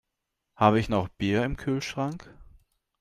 Habe ich noch Bier im Kühlschrank?